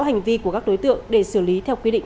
hành vi của các đối tượng để xử lý theo quy định